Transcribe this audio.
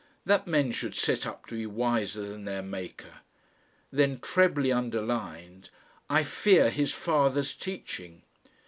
That men should set up to be wiser than their maker!!!" Then trebly underlined: "I FEAR HIS FATHER'S TEACHING."